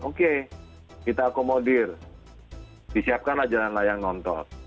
oke kita akomodir disiapkanlah jalan layang nonton